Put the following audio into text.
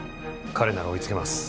彼なら追いつけます。